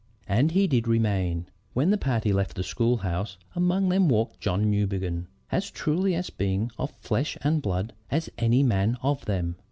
"And he did remain. When the party left the schoolhouse among them walked John Newbegin, as truly a being of flesh and blood as any man of them.